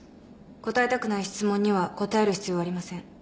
答えたくない質問には答える必要はありません。